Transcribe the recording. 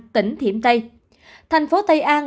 tỉnh thiểm tây thành phố tây an